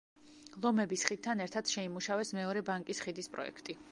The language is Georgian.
ლომების ხიდთან ერთად შეიმუშავეს მეორე ბანკის ხიდის პროექტი.